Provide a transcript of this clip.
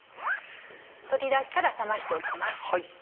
取り出したら冷ましておきます。